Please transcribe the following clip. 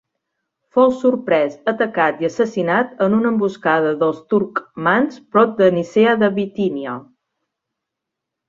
Fou sorprès, atacat i assassinat en una emboscada dels turcmans prop de Nicea de Bitínia.